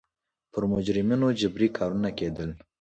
پر مجرمینو جبري کارونه کېدل.